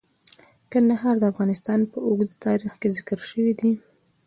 کندهار د افغانستان په اوږده تاریخ کې ذکر شوی دی.